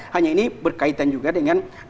hanya ini berkaitan juga dengan